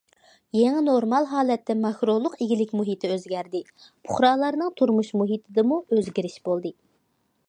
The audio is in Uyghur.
يېڭى نورمال ھالەتتە ماكرولۇق ئىگىلىك مۇھىتى ئۆزگەردى، پۇقرالارنىڭ تۇرمۇش مۇھىتىدىمۇ ئۆزگىرىش بولدى.